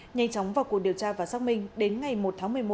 nhanh chóng vào cuộc điều tra và xác minh đến ngày một tháng một mươi một